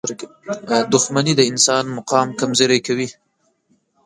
• دښمني د انسان مقام کمزوری کوي.